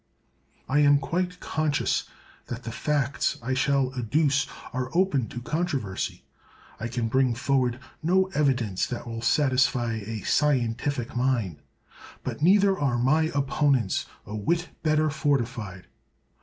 I am quite conscious that the facts I shall adduce are open to controversy: I can bring forward no evidence that will satisfy a scientific mind; but neither are my opponents a whit better fortified.